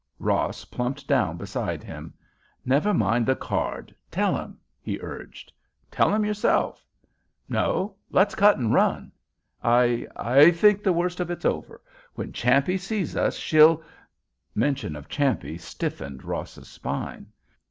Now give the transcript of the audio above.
Ross plumped down beside him. "Never mind the card; tell 'em," he urged. "Tell 'em yourself." "No—let's cut and run." "I—I think the worst of it is over. When Champe sees us she'll—" Mention of Champe stiffened Ross's spine.